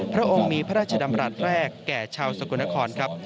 พระองค์มีพระราชดำรัฐแรกแก่ชาวสกลนครครับ